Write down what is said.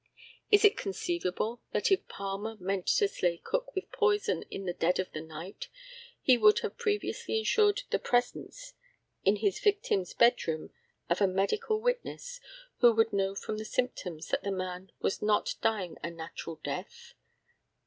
Is it conceivable that if Palmer meant to slay Cook with poison in the dead of the night he would have previously ensured the presence, in his victim's bed room, of a medical witness, who would know from the symptoms that the man was not dying a natural death?